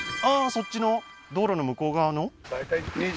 そっちの道路の向こう側の？